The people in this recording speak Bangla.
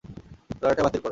লড়াইটা বাতিল কর।